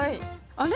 あれ？